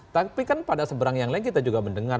tapi kan pada seberang yang lain kita juga mendengar